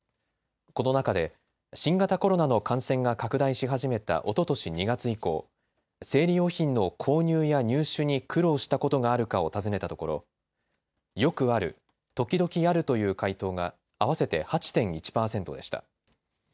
この中で新型コロナの感染が拡大し始めたおととし２月以降、生理用品の購入や入手に苦労したことがあるかを尋ねたところ、よくある、時々あるという回答が合わせて８．１％でした。